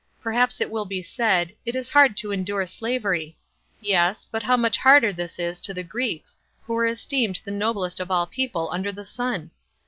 Perhaps it will be said, It is hard to endure slavery. Yes; but how much harder is this to the Greeks, who were esteemed the noblest of all people under the sun!